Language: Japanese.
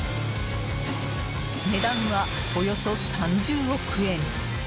値段はおよそ３０億円。